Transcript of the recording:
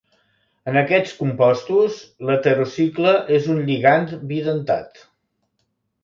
En aquests compostos, l'heterocicle és un lligand bidentat.